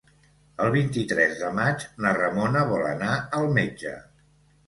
El vint-i-tres de maig na Ramona vol anar al metge.